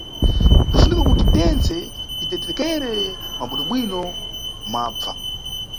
Bzinʼfunika kuti tentse titetekere mwa bweinobwino mwabva.